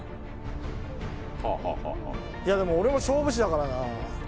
いや、でも俺も勝負師だからな。